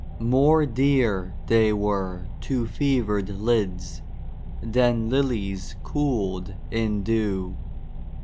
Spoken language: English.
_ _More dear they were to fevered lids Than lilies cooled in dew.